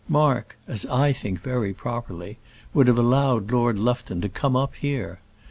Mark, as I think very properly, would have allowed Lord Lufton to come up here.